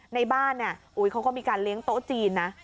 ในบ้านเนี่ยเขาก็มีการเลี้ยงโต๊ะจีนนะ